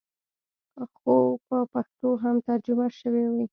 خو په پښتو هم ترجمه سوې وې.